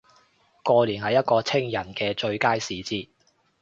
過年係一個清人既最佳時節